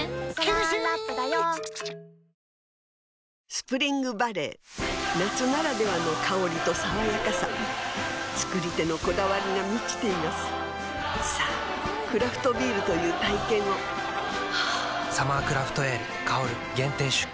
スプリングバレー夏ならではの香りと爽やかさ造り手のこだわりが満ちていますさぁクラフトビールという体験を「サマークラフトエール香」限定出荷